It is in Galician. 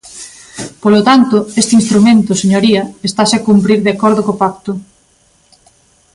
Polo tanto, este instrumento, señoría, estase a cumprir de acordo co pacto.